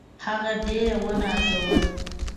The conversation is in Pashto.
هغه ډېر ونازاوه.